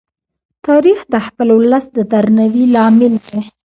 تاریخ د خپل ولس د درناوي لامل دی.